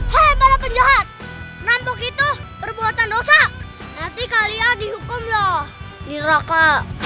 hai para penjahat nampak itu perbuatan dosa nanti kalian dihukum loh diraka